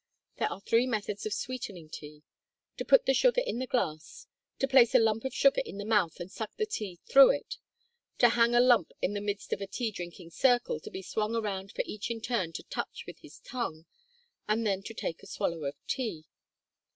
There are three methods of sweetening tea: to put the sugar in the glass; to place a lump of sugar in the mouth, and suck the tea through it; to hang a lump in the midst of a tea drinking circle, to be swung around for each in turn to touch with his tongue, and then to take a swallow of tea.